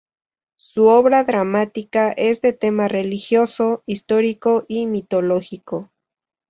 Su obra dramática es de tema religioso, histórico y mitológico.